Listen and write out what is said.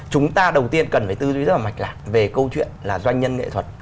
chúng ta đầu tiên cần phải tư duy rất là mạch lạc về câu chuyện là doanh nhân nghệ thuật